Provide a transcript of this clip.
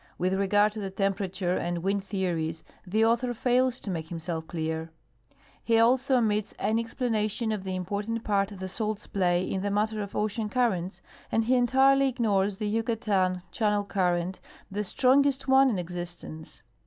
With regard to the temperature and wind theories the author fails to make himself clear. He also omits ^iny explanation of the important part the salts play in the matter of ocean currents, and he entirely ignores the Yucatan channel current, the strongest one in existence.